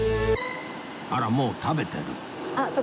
あらもう食べてる